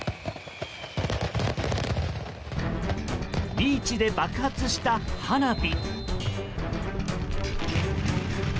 ビーチで爆発した花火。